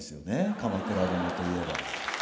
「鎌倉殿」といえば。